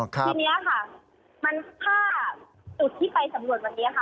ทีนี้ค่ะถ้าจุดที่ไปสำรวจวันนี้ค่ะ